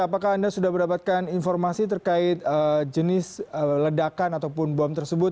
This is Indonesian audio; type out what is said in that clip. apakah anda sudah mendapatkan informasi terkait jenis ledakan ataupun bom tersebut